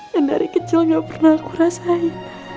yang dari kecil gak pernah aku rasain